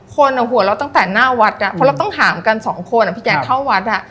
คนอ่ะหัวเราะตั้งแต่หน้าวัดอ่ะเพราะเราต้องหามกันสองคนอ่ะพี่แจ๊คเข้าวัดอ่ะ